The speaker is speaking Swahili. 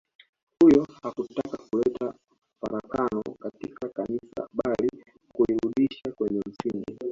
Huyo hakutaka kuleta farakano katika Kanisa bali kulirudisha kwenye msingi